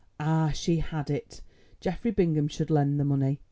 Ah, she had it—Geoffrey Bingham should lend the money!